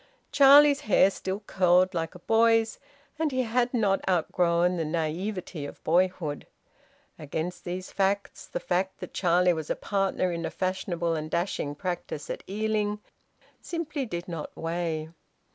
Charlie's hair still curled like a boy's, and he had not outgrown the naivete of boyhood. Against these facts the fact that Charlie was a partner in a fashionable and dashing practice at Ealing simply did not weigh.